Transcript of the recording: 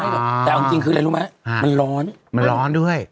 แต่เอาจริงคืออะไรรู้ไหมมันร้อนมันร้อนด้วย